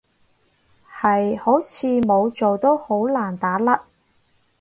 係，好似冇做都好難打甩